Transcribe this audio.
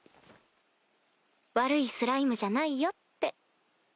「悪いスライムじゃないよ」って。